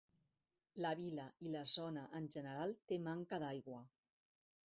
La vila i la zona en general té manca d'aigua.